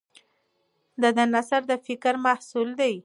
د ده نثر د فکر محصول دی.